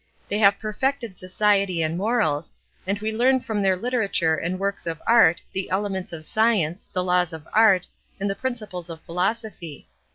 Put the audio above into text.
They have perfected society and morals, and we learn from their literature and works of art the elements of science, the laws of art, and the principles of philosophy.